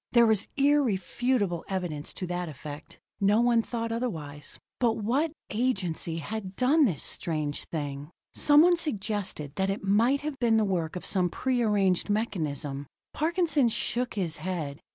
There was irrefutable evidence to that effect; no one thought otherwise. But what agency had done this strange thing? Someone suggested that it might have been the work of some prearranged mechanism. Parkinson shook his head.